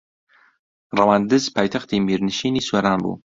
ڕەواندز پایتەختی میرنشینی سۆران بوو